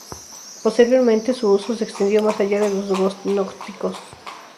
Posteriormente, su uso se extendió más allá de los gnósticos.